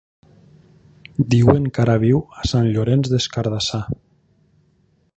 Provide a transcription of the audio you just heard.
Diuen que ara viu a Sant Llorenç des Cardassar.